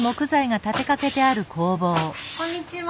こんにちは。